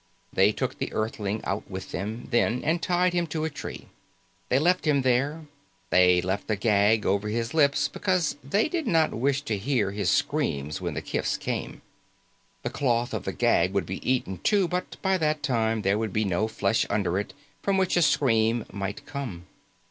They took the Earthling out with them, then, and tied him to a tree. They left him there, and they left the gag over his lips because they did not wish to hear his screams when the kifs came. The cloth of the gag would be eaten, too, but by that time, there would be no flesh under it from which a scream might come.